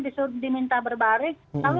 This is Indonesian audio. disuruh diminta berbaris lalu